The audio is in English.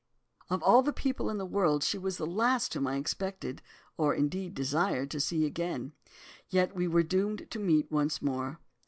"Of all people in the world she was the last whom I expected, or indeed desired, to see again; yet we were doomed to meet once more.